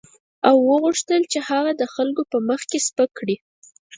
او وغوښتل یې چې هغه د خلکو په مخ کې سپک کړي.